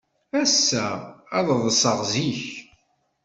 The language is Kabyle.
Ass-a, ad ḍḍseɣ zik.